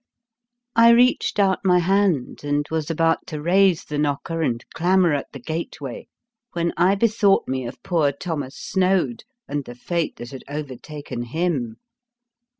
I reached out my hand, and was about to raise the knocker and clamour at the gateway, when I bethought me of poor Thomas Snoad and the fate that had overtaken him.